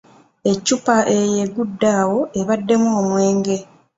Eccupa eyo eggudde awo ebaddemu omwenge.